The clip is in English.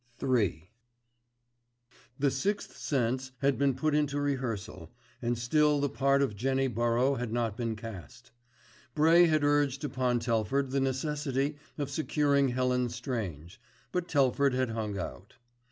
III The Sixth Sense had been put into rehearsal, and still the part of Jenny Burrow had not been cast. Bray had urged upon Telford the necessity of securing Helen Strange; but Telford had hung out.